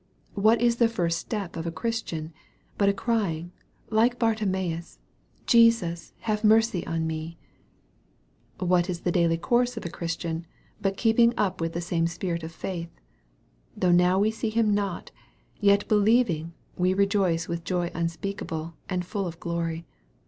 What is the first step of a Christian, but a crying, like Bartimaeus, " Jesus have mercy on me ?" What is the daily course of a Christian, but keeping up the same spirit of faith ?" Though now we see Him not, yet believing we rejoice with joy unspeakable, and full of glory."